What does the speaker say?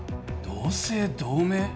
同姓同名？